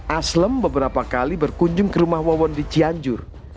aslem beberapa kali berkunjung ke rumah wawon di cianjur